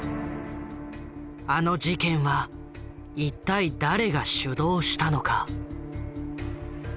あの事件は一体誰が主導したのか？